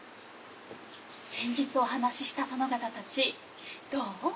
先日お話しした殿方たちどう？